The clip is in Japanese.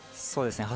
そうです。